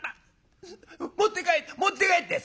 持って帰って持って帰って！」。